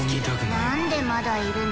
何でまだいるの？